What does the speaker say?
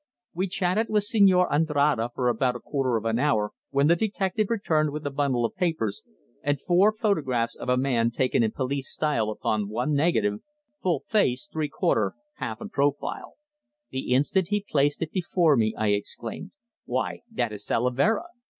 We chatted with Señor Andrade for about a quarter of an hour when the detective returned with a bundle of papers and four photographs of a man taken in police style upon one negative, full face, three quarter, half and profile. The instant he placed it before me, I exclaimed: "Why, that is Salavera!"